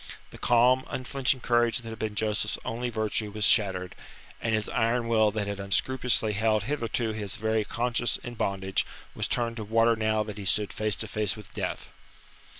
The calm, unflinching courage that had been Joseph's only virtue was shattered, and his iron will that had unscrupulously held hitherto his very conscience in bondage was turned to water now that he stood face to face with death.